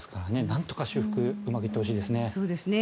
なんとか修復うまくいってほしいですね。